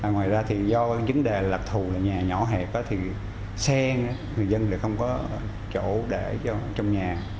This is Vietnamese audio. ngoài ra thì do vấn đề lạc thù là nhà nhỏ hẹp thì sen người dân lại không có chỗ để trong nhà